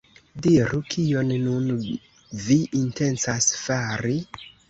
Diru, kion nun vi intencas fari?